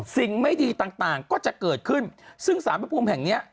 สิ่งไม่ดีต่างก็จะเกิดขึ้นซึ่งสารพระภูมิแห่งเนี้ย